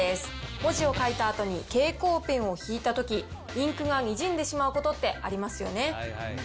文字を書いたあとに蛍光ペンを引いたとき、インクがにじんでしまうことってありますよね。